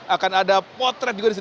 akan ada potret juga disini